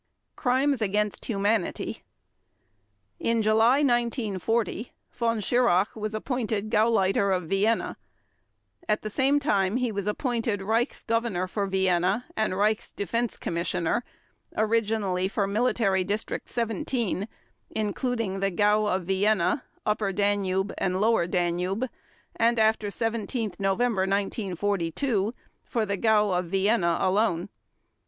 Crimes against Humanity In July 1940 Von Schirach was appointed Gauleiter of Vienna. At the same time he was appointed Reichs Governor for Vienna and Reichs Defense Commissioner, originally for Military District 17, including the Gaue of Vienna, Upper Danube, and Lower Danube and, after 17 November 1942, for the Gaue of Vienna alone.